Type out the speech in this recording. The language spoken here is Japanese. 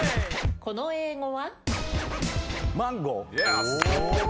この英語は？